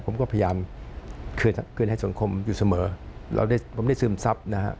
ผมก็พยายามคืนให้สังคมอยู่เสมอผมได้ซื้อมทรัพย์นะฮะ